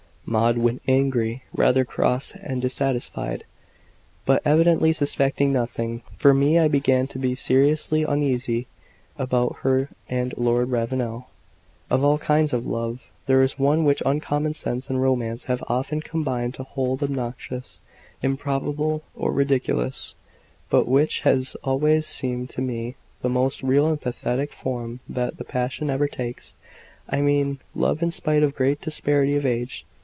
Maud went away, rather cross and dissatisfied, but evidently suspecting nothing. For me, I began to be seriously uneasy about her and Lord Ravenel. Of all kinds of love, there is one which common sense and romance have often combined to hold obnoxious, improbable, or ridiculous, but which has always seemed to me the most real and pathetic form that the passion ever takes I mean, love in spite of great disparity of age.